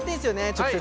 直接。